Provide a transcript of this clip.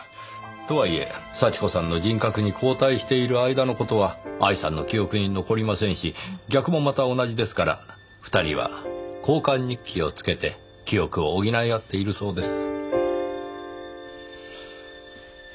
とはいえ幸子さんの人格に交代している間の事は愛さんの記憶に残りませんし逆もまた同じですから２人は交換日記をつけて記憶を補い合っているそうです。